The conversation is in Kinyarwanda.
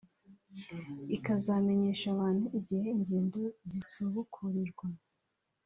ikazamenyesha abantu igihe ingendo zisubukurirwa